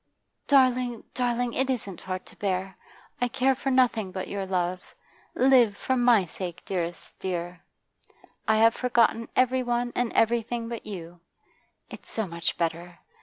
'Darling, darling, it isn't hard to bear. I care for nothing but your love. Live for my sake, dearest dear; I have forgotten every one and everything but you. It's so much better.